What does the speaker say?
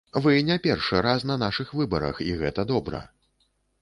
Вы не першы раз на нашых выбарах, і гэта добра.